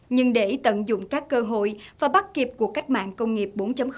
nhưng để tận dụng các cơ hội và bắt kịp của cách mạng công nghiệp bốn